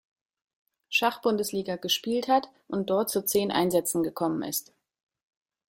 Schachbundesliga gespielt hat und dort zu zehn Einsätzen gekommen ist.